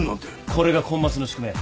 これがコンマスの宿命。